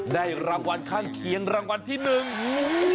ได้รางวัลข้างเคียงรางวัลที่หนึ่ง